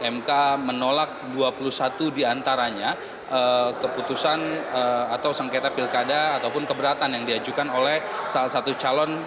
mk menolak dua puluh satu diantaranya keputusan atau sengketa pilkada ataupun keberatan yang diajukan oleh salah satu calon